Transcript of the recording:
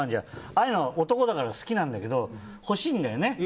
ああいうの男だから好きなんだけど欲しいんだよね。